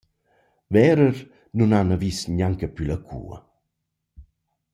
Verer nun hana vis gnanca plü la cua.